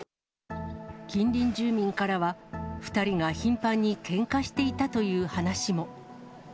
近隣住民からは、２人が頻繁にけんかしていたという話も。